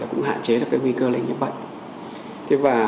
cũng hạn chế